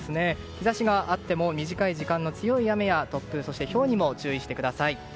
日差しがあっても短い時間の強い雨や突風、ひょうにも注意してください。